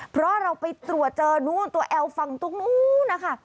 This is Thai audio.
เพราะเราไปตรวจเจอนู้นตัวแอลฝั่งตรงนู้นนะคะ